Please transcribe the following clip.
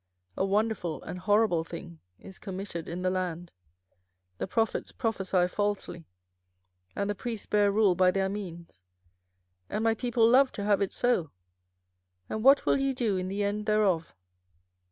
24:005:030 A wonderful and horrible thing is committed in the land; 24:005:031 The prophets prophesy falsely, and the priests bear rule by their means; and my people love to have it so: and what will ye do in the end thereof?